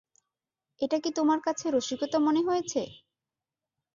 এটা কি তোমার কাছে রসিকতা মনে হয়েছে?